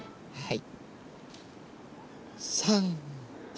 はい。